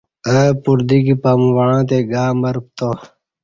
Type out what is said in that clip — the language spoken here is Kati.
اہ پردیکی پمووݩعتے گامر پتا